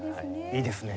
いいですね。